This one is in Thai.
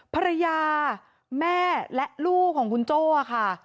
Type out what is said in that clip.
ภรรยาแม่และลูกของคุณโจ้ค่ะ